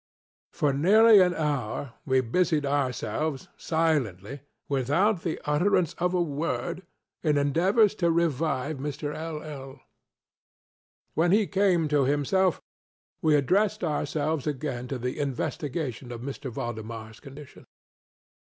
For nearly an hour, we busied ourselves, silentlyŌĆöwithout the utterance of a wordŌĆöin endeavors to revive Mr. LŌĆöl. When he came to himself, we addressed ourselves again to an investigation of M. ValdemarŌĆÖs condition.